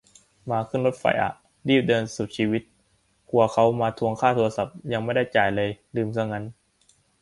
มาขึ้นรถไฟฟ้าอ่ะ รีบเดินสุดชีวิต กลัวเค้ามาทวงค่าโทรศัพท์ ยังไม่ได้จ่ายเลย ลืม ลืมซะงั้น